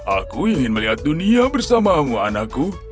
aku ingin melihat dunia bersamamu anakku